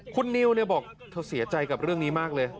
คุณนิวบอกเธอเสียใจกับเรื่องนี้มากเลย